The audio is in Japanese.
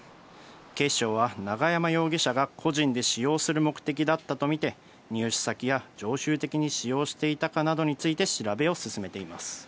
警視庁は永山容疑者が個人で使用する目的だったと見て、入手先や常習的に使用していたかなどについて、調べを進めています。